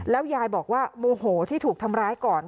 ยายบอกว่าโมโหที่ถูกทำร้ายก่อน